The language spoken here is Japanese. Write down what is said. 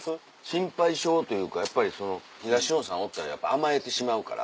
心配性というかやっぱりその東野さんおったらやっぱ甘えてしまうから。